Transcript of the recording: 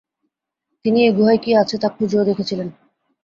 তিনি এই গুহায় কী আছে, তা খুঁজেও দেখেছিলেন।